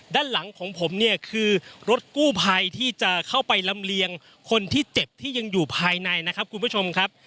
ด้านหลังของผมเนี่ยคือรถกู้ภัยที่จะเข้าไปลำเลียงคนที่เจ็บที่ยังอยู่ภายในนะครับคุณผู้ชมครับ